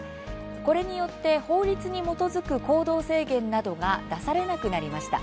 これによって法律に基づく行動制限などが出されなくなりました。